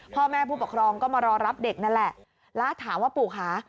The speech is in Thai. พ่อแม่ผู้ปกครองก็มารอรับเด็กนั่นแหละแล้วถามว่าปู่คะ